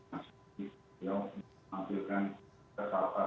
yang tampilkan kesalahan kesalahan